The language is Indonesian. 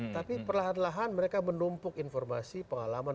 tapi perlahan lahan mereka menumpuk informasi pengalaman